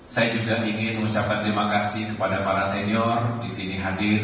saya juga ingin mengucapkan terima kasih kepada para senior di sini hadir